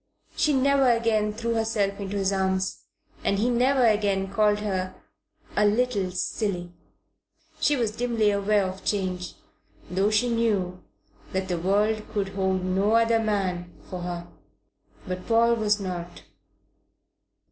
She never again threw herself into his arms, and he never again called her a "little silly." She was dimly aware of change, though she knew that the world could hold no other man for her. But Paul was not.